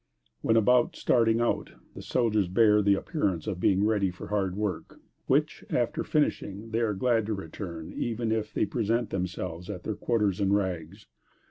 When about starting out, the soldiers bear the appearance of being ready for hard work; which, after finishing, they are glad to return, even if they present themselves at their quarters in rags.